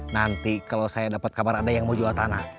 nanti kalau saya dapat kabar ada yang mau jual tanah